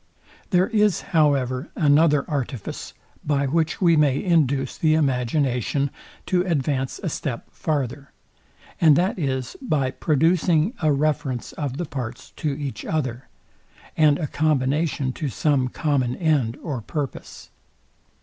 There is, however, another artifice, by which we may induce the imagination to advance a step farther; and that is, by producing a reference of the parts to each other, and a combination to some common end or purpose.